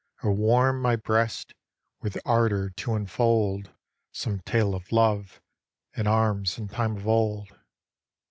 Or warm my breast with ardour to unfold Some tale of love and arms in time of old.